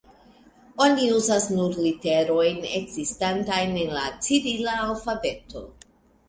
Oni uzas nur literojn ekzistantajn en la cirila alfabeto.